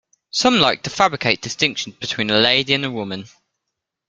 Some like to fabricate distinctions between a lady and a woman.